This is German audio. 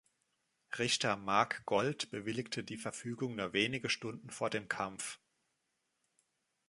Richter Marc Gold bewilligte die Verfügung nur wenige Stunden vor dem Kampf.